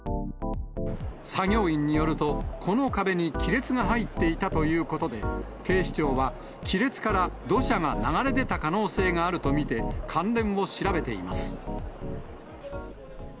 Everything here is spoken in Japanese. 作業員によると、この壁に亀裂が入っていたということで、警視庁は、亀裂から土砂が流れ出た可能性があると見て、関連を調べています。